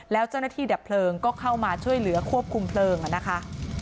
แล้วเจ้าหน้าที่ดับเพลิงก็เข้ามาช่วยเหลือควบคุมเพลิงนะคะ